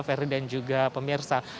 verdi dan juga pemirsa